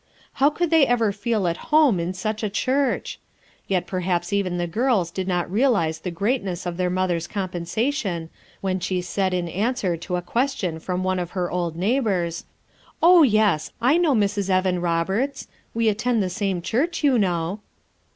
How could they ever feel at home in such a church? Yet perhaps even the girls did not realize the greatness of their mother's com 40 FOUR MOTHERS AT CHAUTAUQUA pensation when slic said in answer to a ques tion from one of her old neighbors: "Oh, yes, I know Mrs, Evan Roberts; we at tend the same church, you know."